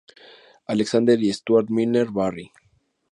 Alexander y Stuart Milner-Barry.